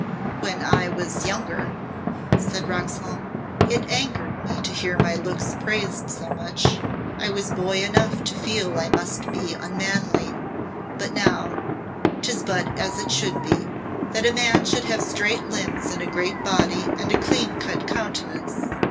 "When I was younger," said Roxholm, "it angered me to hear my looks praised so much; I was boy enough to feel I must be unmanly. But now 'tis but as it should be, that a man should have straight limbs and a great body, and a clean cut countenance.